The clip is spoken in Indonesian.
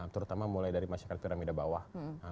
terutama mulai dari masyarakat yang tidak bawah